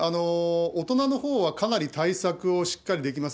大人のほうはかなり対策をしっかりできます。